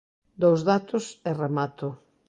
Dous datos e remato.